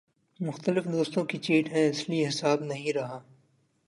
مختلف دوستوں کی چیٹ ہے اس لیے حساب نہیں رہا